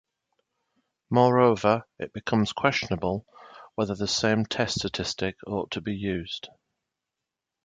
Moreover, it becomes questionable whether the same test statistic ought to be used.